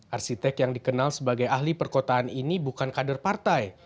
arsitek yang dikenal sebagai ahli perkotaan ini bukan kader partai